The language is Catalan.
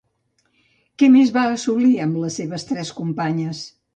Què més va assolir amb les seves tres companyes?